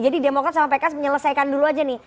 jadi demokrat sama pks menyelesaikan dulu aja nih